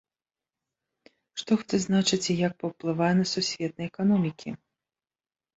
Што гэта значыць і як паўплывае на сусветныя эканомікі?